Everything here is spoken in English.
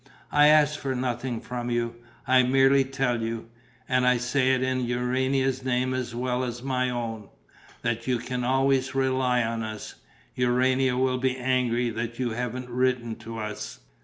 I ask for nothing from you. I merely tell you and I say it in Urania's name as well as my own that you can always rely on us. Urania will be angry that you haven't written to us."